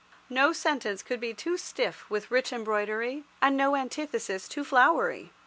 No sentence could be too stiff with rich embroidery, and no antithesis too flowery.